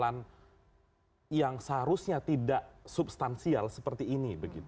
yang disibukkan dengan persoalan yang seharusnya tidak substansial seperti ini